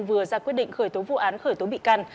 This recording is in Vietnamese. vừa ra quyết định khởi tố vụ án khởi tố bị can